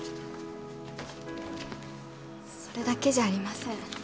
それだけじゃありません。